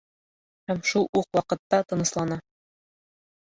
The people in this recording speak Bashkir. Һәм шул уҡ ваҡытта тыныслана.